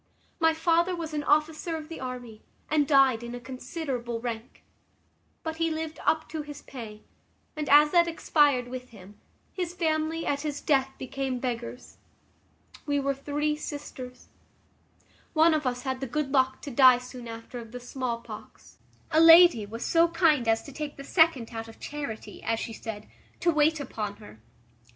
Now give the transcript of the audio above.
My father was an officer of the army, and died in a considerable rank: but he lived up to his pay; and, as that expired with him, his family, at his death, became beggars. We were three sisters. One of us had the good luck to die soon after of the small pox; a lady was so kind as to take the second out of charity, as she said, to wait upon her.